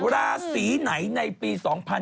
ราศีไหนในปี๒๕๕๙